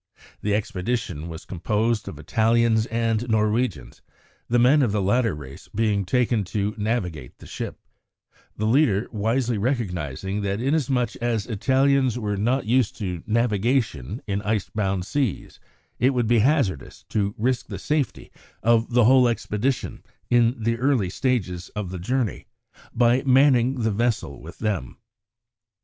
The expedition was composed of Italians and Norwegians, the men of the latter race being taken to navigate the ship, the leader wisely recognising that inasmuch as Italians were not used to navigation in ice bound seas, it would be hazardous to risk the safety of the whole expedition in the early stages of the journey by manning the vessel with them.